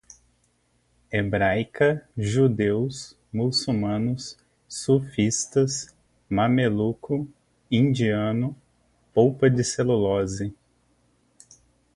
hebraica, judeus, muçulmanos, sufistas, mameluco, indiano, polpa de celulose